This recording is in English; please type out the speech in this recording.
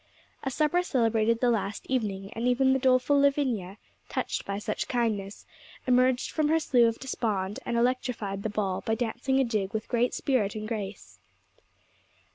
A supper celebrated the last evening; and even the doleful Lavinia, touched by such kindness, emerged from her slough of despond and electrified the ball by dancing a jig with great spirit and grace.